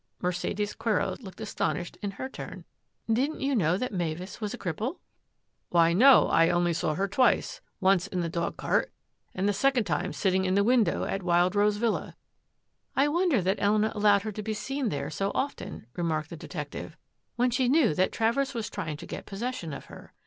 Mercedes Quero looked astonished in her turn. " Didn't you know that Mavis was a cripple ?"" Why, no ; I only saw her twice. Once in the dogcart, and the second time sitting in the window at Wild Rose Villa." " I wonder that Elena allowed her to be seen there so often," remarked the detective, " when she knew that Travers was trying to get possession of her.